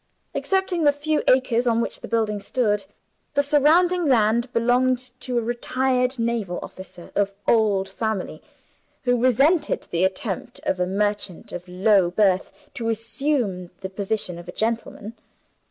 Excepting the few acres on which the building stood, the surrounding land belonged to a retired naval officer of old family, who resented the attempt of a merchant of low birth to assume the position of a gentleman.